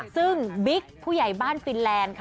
ซึ่งบิ๊กผู้ใหญ่บ้านฟินแลนด์ค่ะ